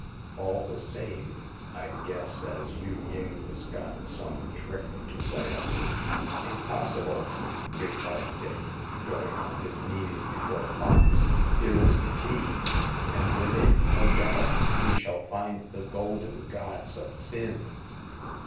" All the same, I guess as Yu ying*s got some trick to play us.'* " Impossible !" replied Dick, going on his knees before* the box. " Here is the key, and within, no doubt, we shall find the golden gods of Tsin.''